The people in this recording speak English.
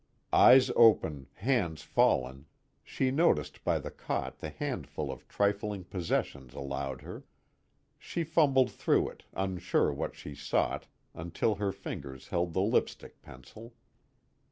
_ Eyes open, hands fallen, she noticed by the cot the handful of trifling possessions allowed her. She fumbled through it, unsure what she sought until her fingers held the lipstick pencil.